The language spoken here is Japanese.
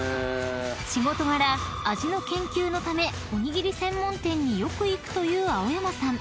［仕事柄味の研究のためおにぎり専門店によく行くという青山さん］